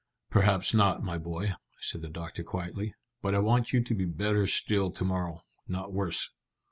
"Perhaps not, my boy," said the doctor quietly, "but I want you to be better still to morrow, not worse."